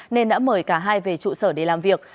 nên đã mời cả hai về trụ sở để làm việc